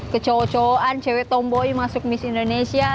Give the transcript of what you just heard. kecowok cowokan cewek tomboy masuk miss indonesia